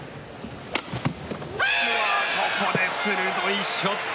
ここで鋭いショット！